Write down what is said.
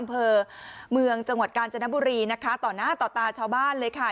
อำเภอเมืองจังหวัดกาญจนบุรีนะคะต่อหน้าต่อตาชาวบ้านเลยค่ะ